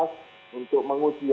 ketika bekerja tentang saya